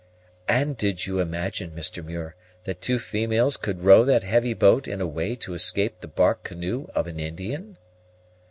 "And did you imagine, Mr. Muir, that two females could row that heavy boat in a way to escape the bark canoe of an Indian?"